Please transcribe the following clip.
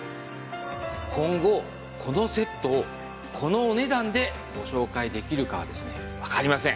今後このセットをこのお値段でご紹介できるかはわかりません。